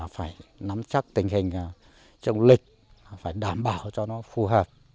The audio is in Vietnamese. phải nắm chắc tình hình trồng lịch phải đảm bảo cho nó phù hợp